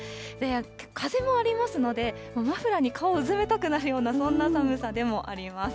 風もありますので、マフラーに顔をうずめたくなるような、そんな寒さでもあります。